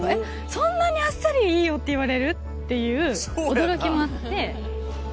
そんなにあっさりいいよって言われる？っていう驚きもあって。